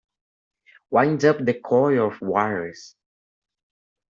Wind up the coil of wires.